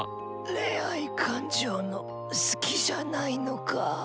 恋愛感情の好きじゃないのか。